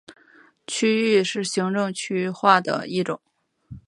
区域是行政区划的一种。